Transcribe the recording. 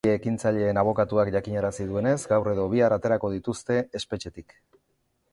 Bi ekintzaileen abokatuak jakinarazi duenez, gaur edo bihar aterako dituzte espetxetik.